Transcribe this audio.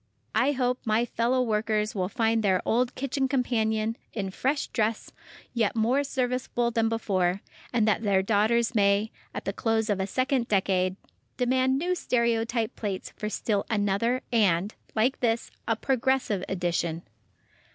I hope my fellow workers will find their old kitchen companion, in fresh dress, yet more serviceable than before, and that their daughters may, at the close of a second decade, demand new stereotype plates for still another, and, like this, a progressive edition.